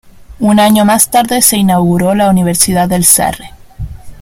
Un año más tarde se inauguró la Universidad del Sarre.